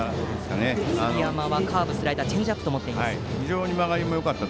杉山はカーブ、スライダーチェンジアップと持っています。